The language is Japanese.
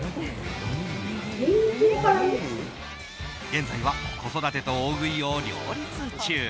現在は子育てと大食いを両立中。